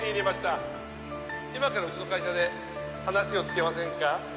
「今からうちの会社で話をつけませんか？」